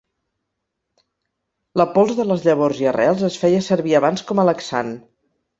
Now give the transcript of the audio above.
La pols de les llavors i arrels es feia servir abans com a laxant.